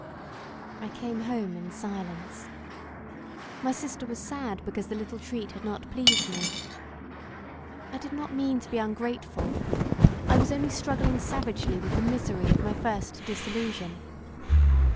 I came home in silence. My sister was sad because the little treat had not pleased me. I did not mean to be ungrateful; I was only struggling savagely with the misery of my first disillusion.